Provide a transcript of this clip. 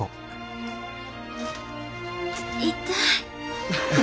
痛い。